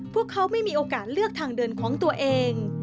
พวกเขาไม่มีโอกาสเลือกทางเดินของตัวเอง